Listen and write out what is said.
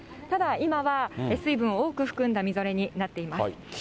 ただ、今は水分を多く含んだみぞれになっています。